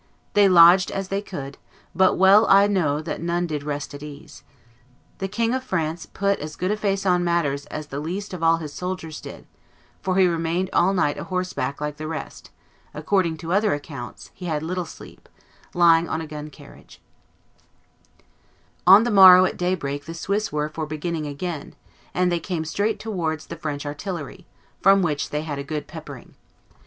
They lodged as they could; but well I trow that none did rest at ease. The King of France put as good a face on matters as the least of all his soldiers did, for he remained all night a horseback like the rest (according to other accounts he had a little sleep, lying on a gun carriage). [Illustration: All Night a horseback 19] On the morrow at daybreak the Swiss were for beginning again, and they came straight towards the French artillery, from which they had a good peppering.